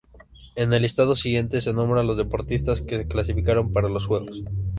En el listado siguiente se nombran los deportistas que se clasificaron para los Juegos.